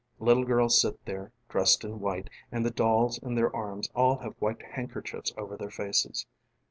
Little girls sit there dressed in white and the dolls in their arms all have white handkerchiefs over their faces.